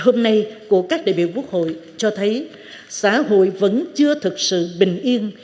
thời gian này của các đại biểu quốc hội cho thấy xã hội vẫn chưa thực sự bình yên